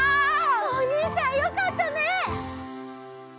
おにいちゃんよかったね！